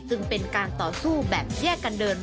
เป็นการต่อสู้แบบแยกกันเดิน